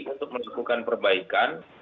untuk melakukan perbaikan